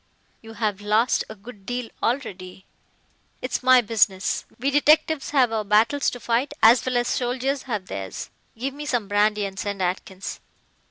"You have lost a good deal already." "It's my business. We detectives have our battles to fight as well as soldiers have theirs. Give me some brandy and send Atkins."